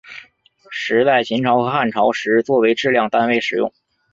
石在秦朝和汉朝时作为质量单位使用。